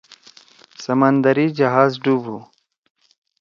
سمندری جہاز ڈُوب ہُو۔